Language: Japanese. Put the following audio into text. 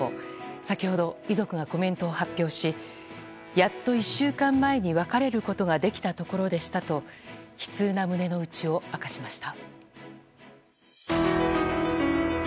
先ほど、遺族がコメントを発表しやっと１週間前に別れることができたところでしたと悲痛な胸の内を明かしました。